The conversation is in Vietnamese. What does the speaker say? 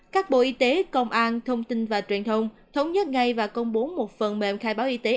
các bộ y tế công an thông tin và truyền thông thống nhất ngay và công bố một phần mềm khai báo y tế